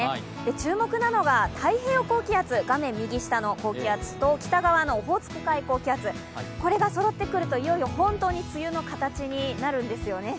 注目なのが、太平洋高気圧、画面右下の高気圧と北側のオホーツク海高気圧、これがそろってくると、いよいよ本当に梅雨の形になるんですよね。